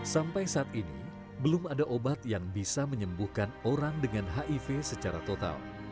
sampai saat ini belum ada obat yang bisa menyembuhkan orang dengan hiv secara total